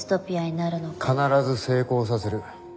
必ず成功させる。